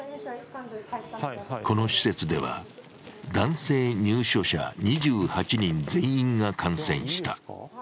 この施設では男性入所者２８人全員が感染した。